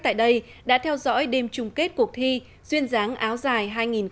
tại đây đã theo dõi đêm chung kết cuộc thi duyên dáng áo dài hai nghìn một mươi chín